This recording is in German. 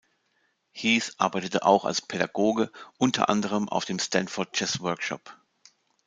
Heath arbeitet auch als Pädagoge, unter anderem auf dem Stanford Jazz Workshop.